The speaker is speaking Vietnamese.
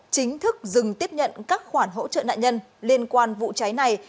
chính thức dừng tiếp nhận các khoản hỗ trợ nạn nhân liên quan vụ cháy này